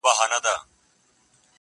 o کوم څراغ چي روښنایي له پردو راوړي,